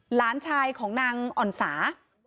หลานชายของนางอ่อนสา